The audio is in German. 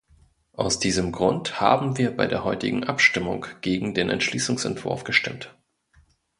Aus diesem Grund haben wir bei der heutigen Abstimmung gegen den Entschließungsentwurf gestimmt.